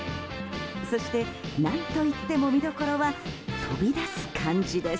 そして、何といっても見どころは飛び出す感じです。